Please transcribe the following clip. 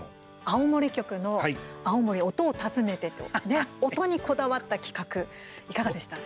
青森局の「あおもり音を訪ねて」と、ね音にこだわった企画いかがでした？